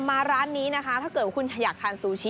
มาร้านนี้นะคะถ้าเกิดว่าคุณอยากทานซูชิ